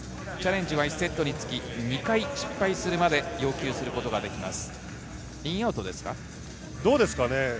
１セットにつき２回失敗するまで要求することができます。